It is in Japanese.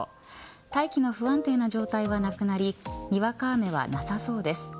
大気の不安定な状態はなくなりにわか雨はなさそうです。